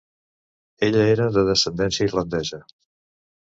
Ella era de descendència irlandesa.